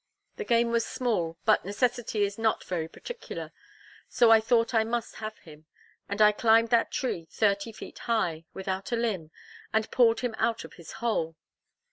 The game was small, but necessity is not very particular; so I thought I must have him, and I climbed that tree thirty feet high, without a limb, and pulled him out of his hole.